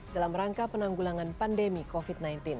dalam rangka penanggulangan pandemi covid sembilan belas